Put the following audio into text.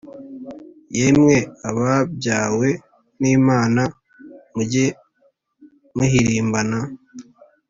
yemwe ababyawe n'lmana, mujye muhirimbana,